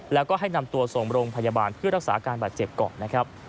แล้วก็ให้นำตัวส่งโรงพยาบาลเพื่อรักษาอาการบาดเจ็บก่อนนะครับ